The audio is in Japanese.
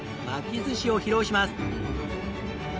巻き寿司を披露します。